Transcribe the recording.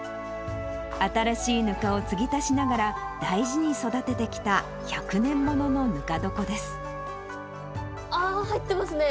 新しいぬかをつぎ足しながら、大事に育ててきた、１００年ものあー、入ってますね。